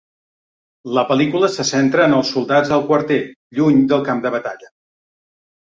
La pel·lícula se centra en els soldats al quarter, lluny del camp de batalla.